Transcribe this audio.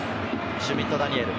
シュミット・ダニエル。